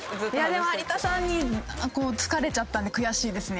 でも有田さんに突かれちゃったんで悔しいですね